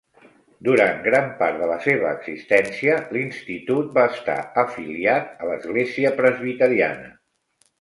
Durant gran part de la seva existència, l'institut va estar afiliat a l'Església Presbiteriana.